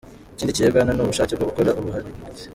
Ikindi kirebwa hano ni ubushake bwo gukora ubuharike.